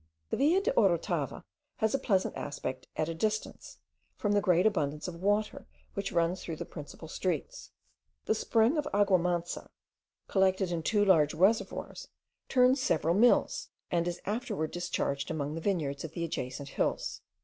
The villa de Orotava has a pleasant aspect at a distance, from the great abundance of water which runs through the principal streets. The spring of Agua Mansa, collected in two large reservoirs, turns several mills, and is afterward discharged among the vineyards of the adjacent hills.